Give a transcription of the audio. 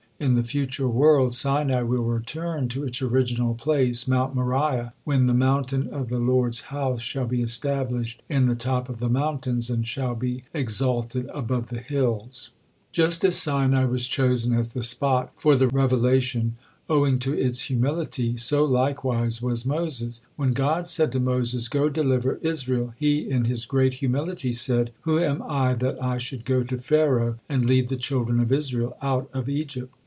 In the future world, Sinai will return to its original place, Mount Moriah, when "the mountain of the Lord's house shall be established in the top of the mountains, and shall be exalted above the hills." Just as Sinai was chosen as the spot for the revelation owing to its humility, so likewise was Moses. When God said to Moses, "Go, deliver Israel," he in his great humility, said: "Who am I that I should go to Pharaoh and lead the children of Israel out of Egypt?